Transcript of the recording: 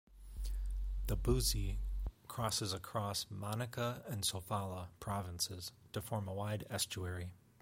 The Buzi crosses across Manica and Sofala provinces to form a wide estuary.